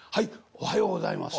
おはようございます。